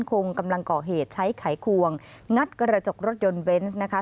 คงกำลังก่อเหตุใช้ไขควงงัดกระจกรถยนต์เบนส์นะคะ